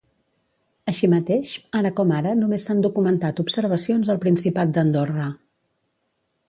Així mateix, ara com ara només s'han documentat observacions al Principat d'Andorra.